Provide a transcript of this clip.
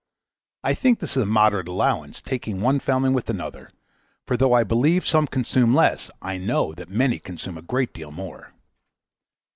I think this is a moderate allowance, taking one family with another; for though I believe some consume less, I know that many consume a great deal more.